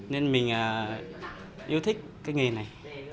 nên mình yêu thích cái nghề này